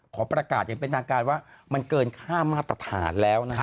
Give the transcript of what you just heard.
ขอประกาศอย่างเป็นทางการว่ามันเกินค่ามาตรฐานแล้วนะครับ